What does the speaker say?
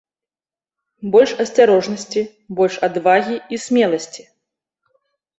Больш асцярожнасці, больш адвагі і смеласці.